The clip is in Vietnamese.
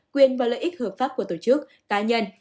quyền và lợi ích hợp pháp của tổ chức cá nhân